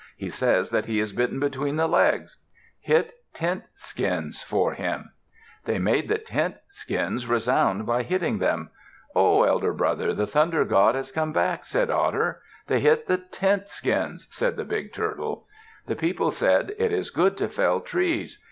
"He says that he is bitten between the legs. Hit tent skins for him." They made the tent skins resound by hitting them. "Ho! elder brother, the Thunder God has come back," said Otter. "They hit the tent skins," said the Big Turtle. The people said, "It is good to fell trees."